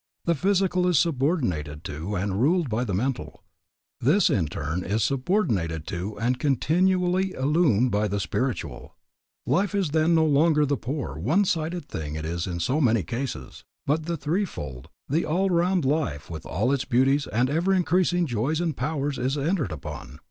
The physical is subordinated to and ruled by the mental; this in turn is subordinated to and continually illumined by the spiritual. Life is then no longer the poor, one sided thing it is in so many cases; but the three fold, the all round life with all its beauties and ever increasing joys and powers is entered upon.